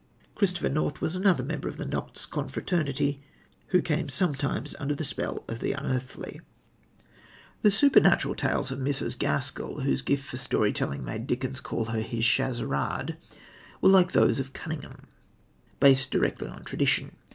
"Christopher North" was another member of the Noctes confraternity who came sometimes under the spell of the unearthly. The supernatural tales of Mrs. Gaskell, whose gift for story telling made Dickens call her his Scheherazade, were, like those of Cunningham, based directly on tradition.